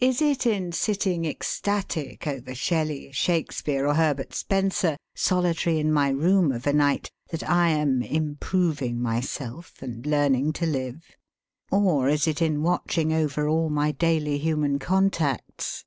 Is it in sitting ecstatic over Shelley, Shakespeare, or Herbert Spencer, solitary in my room of a night, that I am 'improving myself' and learning to live? Or is it in watching over all my daily human contacts?